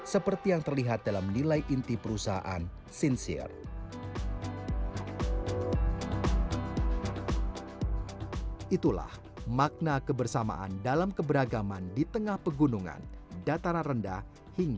seperti yang terlihat di video ini pt fi menjaga kebersamaan tersebut dengan cara saling membantu menghargai memahami dan mendukung